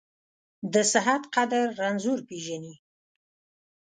د صحت قدر رنځور پېژني.